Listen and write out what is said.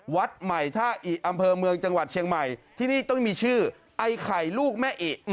วัดใหม่ท่าอิอำเภอเมืองจังหวัดเชียงใหม่ที่นี่ต้องมีชื่อไอ้ไข่ลูกแม่อิ